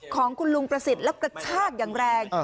ของคุณลุงประสิทธิ์แล้วกระชากอย่างแรง